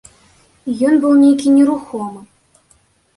Ён быў нейкі нерухомы.